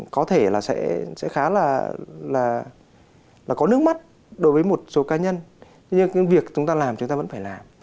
có thể là sẽ khá là là là có nước mắt đối với một số ca nhân nhưng việc chúng ta làm chúng ta vẫn phải làm